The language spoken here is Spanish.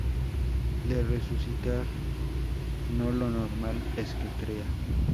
de resucitar. no. lo normal es que crea